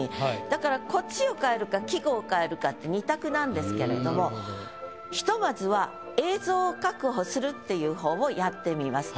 だからこっちを変えるか季語を変えるかって２択なんですけれどもひとまずはっていう方をやってみます。